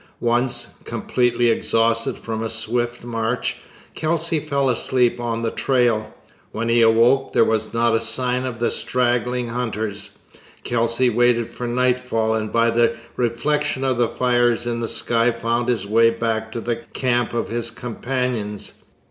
Once, completely exhausted from a swift march, Kelsey fell asleep on the trail. When he awoke, there was not a sign of the straggling hunters. Kelsey waited for nightfall and by the reflection of the fires in the sky found his way back to the camp of his companions.